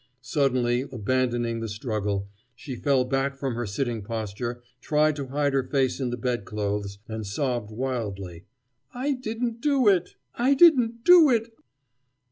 Suddenly, abandoning the struggle, she fell back from her sitting posture, tried to hide her face in the bedclothes, and sobbed wildly: "I didn't do it! I didn't do it!"